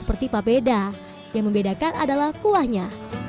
seperti papeda yang membedakan adalah kuahnya